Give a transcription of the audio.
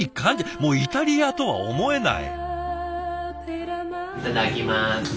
もうイタリアとは思えない。